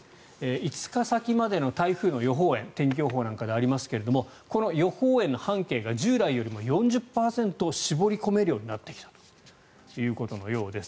５日先までの台風の予報円天気予報なんかでありますがこの予報円の半径が従来よりも４０％絞り込めるようになってきたということのようです。